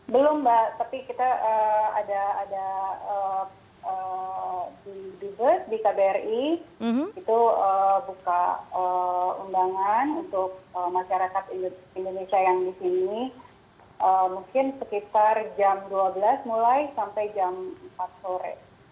belum mbak tapi kita ada di dubes di kbri itu buka undangan untuk masyarakat indonesia yang di sini mungkin sekitar jam dua belas mulai sampai jam empat sore